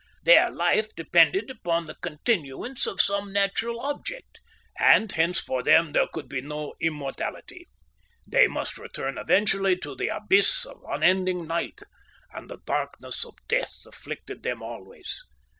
Their life depended upon the continuance of some natural object, and hence for them there could be no immortality. They must return eventually to the abyss of unending night, and the darkness of death afflicted them always.